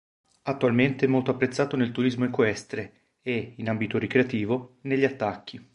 Attualmente è molto apprezzato nel turismo equestre e, in ambito ricreativo, negli attacchi.